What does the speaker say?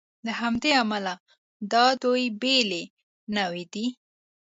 له همدې امله دا دوې بېلې نوعې دي.